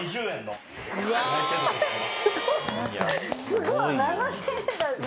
すごい７０００円だって。